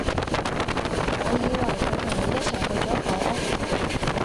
我以為佢同你一齊去咗舊屋